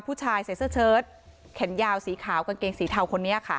ผู้ชายใส่เสื้อเชิดแขนยาวสีขาวกางเกงสีเทาคนนี้ค่ะ